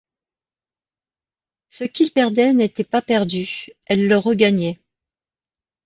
Ce qu’il perdait n’était pas perdu, elle le regagnait.